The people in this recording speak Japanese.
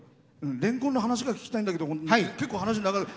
れんこんの話が聞きたいんだけど結構話長い。